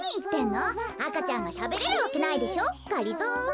あかちゃんがしゃべれるわけないでしょがりぞー。